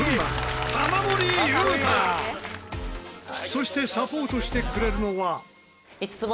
そしてサポートしてくれるのは。